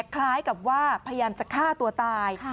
คล้ายกับว่าพยายามจะฆ่าตัวตาย